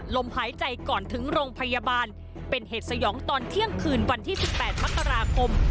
ลมหายใจก่อนถึงโรงพยาบาลเป็นเหตุสยองตอนเที่ยงคืนวันที่๑๘มกราคม